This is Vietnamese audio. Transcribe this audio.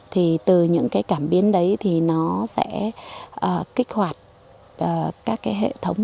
thì từ những cái cảm biến đấy thì nó sẽ kích hoạt các cái hệ thống